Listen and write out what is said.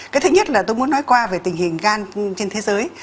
cái thứ nhất là tôi muốn nói qua về tình hình gan trên thế giới